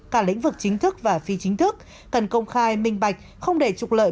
cả lĩnh vực chính thức và phi chính thức cần công khai minh bạch không để trục lợi